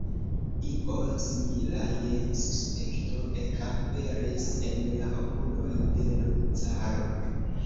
Io simila je suspekto ekaperis en la okuloj de l' caro.